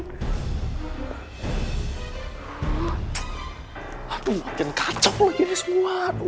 gak mungkin kacau lagi ini semua